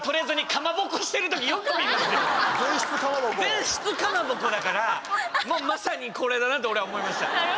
前室かまぼこだから、もうまさにこれだなと俺は思いました。